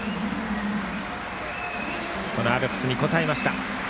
そのアルプスに応えました。